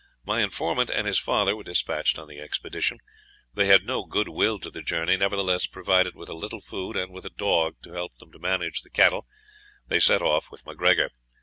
My informant and his father were despatched on the expedition. They had no good will to the journey; nevertheless, provided with a little food, and with a dog to help them to manage the cattle, they set off with MacGregor.